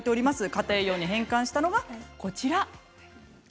家庭用に変換したのがこちら。